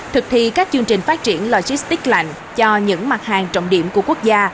thực thi các chương trình phát triển logistics lạnh cho những mặt hàng trọng điểm của quốc gia